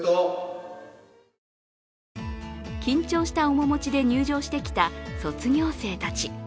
緊張した面持ちで入場してきた卒業生たち。